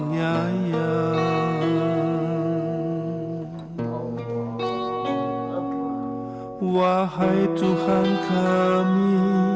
dan juga kalian semua